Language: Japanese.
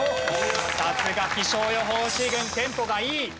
さすが気象予報士軍テンポがいい。